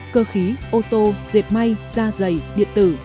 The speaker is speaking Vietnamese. cơ khí ô tô dệt may da dày điện tử